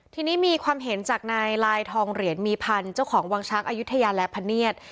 ทีนี้มีความเห็นจากนายลายทองเหรียญมีพันธ์เจ้าของวางช้างอายุทยาและพะเนียด